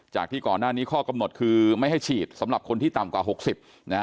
ที่ก่อนหน้านี้ข้อกำหนดคือไม่ให้ฉีดสำหรับคนที่ต่ำกว่า๖๐นะฮะ